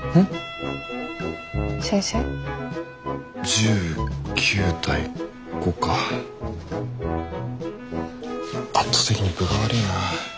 １９対５か圧倒的に分が悪いな。